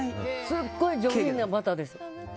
すごく上品なバターです。